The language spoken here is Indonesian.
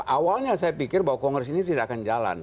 awalnya saya pikir bahwa kongres ini tidak akan jalan